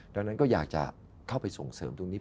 ดังนั้นก็อยากจะเข้าไปส่งเสริมตรงนี้